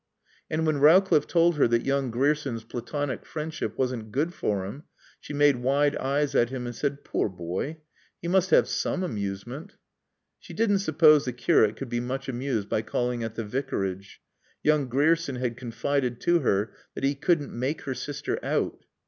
And when Rowcliffe told her that young Grierson's Platonic friendship wasn't good for him, she made wide eyes at him and said, "Poor boy! He must have some amusement." She didn't suppose the curate could be much amused by calling at the Vicarage. Young Grierson had confided to her that he couldn't "make her sister out."